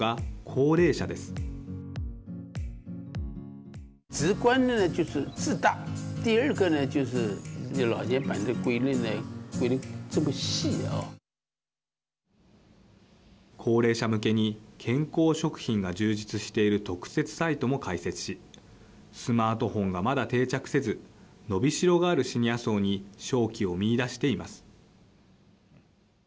高齢者向けに健康食品が充実している特設サイトも開設しスマートフォンが、まだ定着せず伸びしろがあるシニア層に商機を見いだしています。